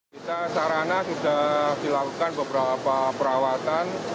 kita sarana sudah dilakukan beberapa perawatan